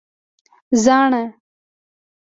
🦩زاڼه